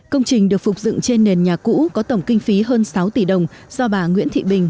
công trình được phục dựng trên nền nhà cũ có tổng kinh phí hơn sáu tỷ đồng do bà nguyễn thị bình